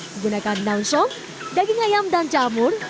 menggunakan daun som daging ayam dan camur